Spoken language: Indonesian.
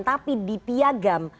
tapi di piagam